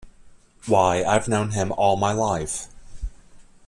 Why, I've known him all my life.